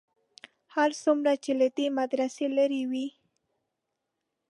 هر څومره چې له دې مدرسې لرې وې.